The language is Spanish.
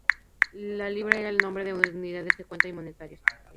La libra era el nombre de unidades de cuenta y monetarias.